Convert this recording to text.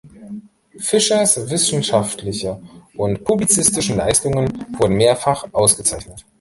Fischers wissenschaftliche und publizistischen Leistungen wurden mehrfach ausgezeichnet.